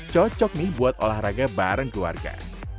cocok nih buat olahraga bareng keluarga